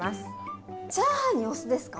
チャーハンにお酢ですか？